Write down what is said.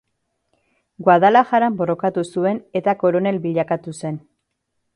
Guadalajaran borrokatu zuen eta koronel bilakatu zen.